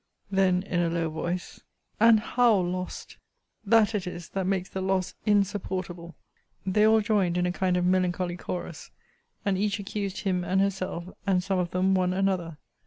Then in a low voice, and how lost! That it is that makes the loss insupportable. They all joined in a kind of melancholy chorus, and each accused him and herself, and some of them one another.